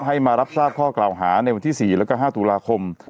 ให้มารับทราบข้อกล่าวหาในวันที่๔แล้วก็๕ตุลาคม